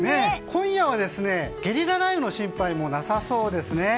今夜はゲリラ雷雨の心配もなさそうですね。